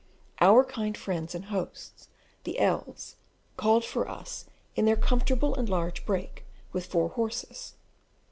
Our kind friends and hosts, the L s, called for us in their comfortable and large break, with four horses.